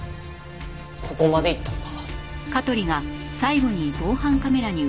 ここまで行ったのか。